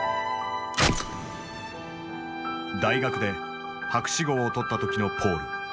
大学で博士号を取った時のポール。